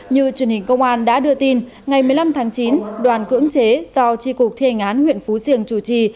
như truyền hình công an đã đưa tin ngày một mươi năm tháng chín đoàn cưỡng chế do tri cục thi hành án huyện phú diềng chủ trì